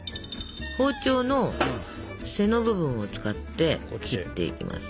包丁の背の部分を使って切っていきます。